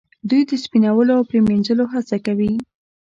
دوی د سپینولو او پریمینځلو هڅه کوي.